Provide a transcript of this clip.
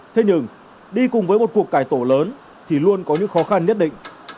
thế nhưng đi cùng với một cuộc cải tổ lớn thì luôn có những khó khăn nhất định